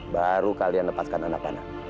baru kalian lepaskan anak anak